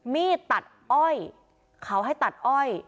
มีดตัดอ้อยเขาให้ตัดอ้อย